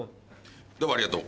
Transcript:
どうもありがとう。